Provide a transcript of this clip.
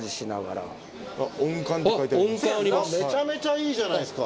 めちゃめちゃいいじゃないですか。